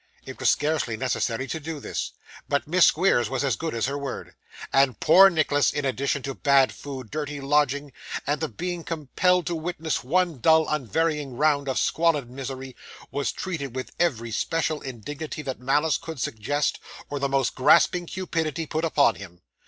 It was scarcely necessary to do this, but Miss Squeers was as good as her word; and poor Nicholas, in addition to bad food, dirty lodging, and the being compelled to witness one dull unvarying round of squalid misery, was treated with every special indignity that malice could suggest, or the most grasping cupidity put upon him.